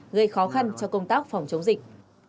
gây khó khăn cho công tác phòng chống dịch